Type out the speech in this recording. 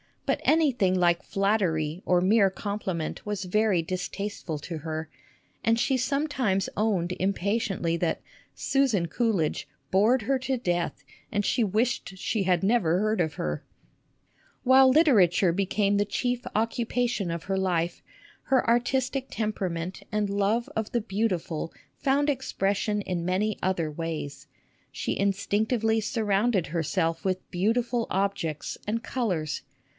But anything like flattery or mere compliment was very distasteful to her, and she sometimes owned impatiently that " Susan Coolidge " bored her to death, and she wished she had never heard of her ! While literature became the chief occupation of her life, her artistic temperament and love of the beauti ful found expression in many other ways. She in stinctively surrounded herself with beautiful objects and colors.